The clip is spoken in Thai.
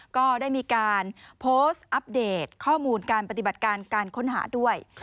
ก็ได้มีการโพสต์อัปเดตข้อมูลการปฏิบัติการการค้นหาด้วย